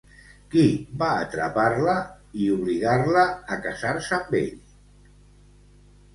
Qui va atrapar-la i obligar-la a casar-se amb ell?